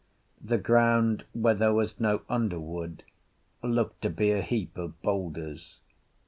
The ground where there was no underwood looked to be a heap of boulders.